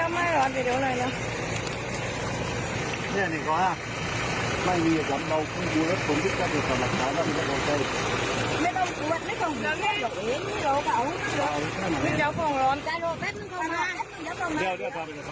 ไม่ไลซอสไอวิดีโอนี้